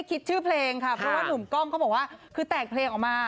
คุณก้องเขาบอกว่าคือแต่งเพลงออกมา